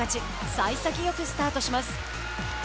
さい先よくスタートします。